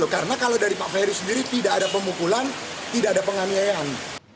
karena kalau dari pak ferry sendiri tidak ada pemukulan tidak ada penganiayaan